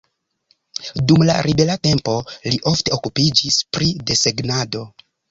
Dum la libera tempo li ofte okupiĝis pri desegnado.